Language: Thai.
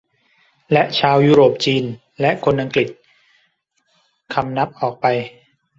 และชาวยุโรปจีนและคนอังกฤษคำนับออกไป